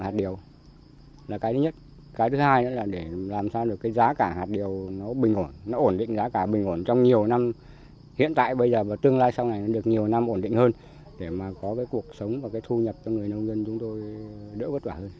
hạt điều là cái thứ nhất cái thứ hai nữa là để làm sao được cái giá cả hạt điều nó bình ổn nó ổn định giá cả bình ổn trong nhiều năm hiện tại bây giờ và tương lai sau này được nhiều năm ổn định hơn để mà có cái cuộc sống và cái thu nhập cho người nông dân chúng tôi đỡ vất vả hơn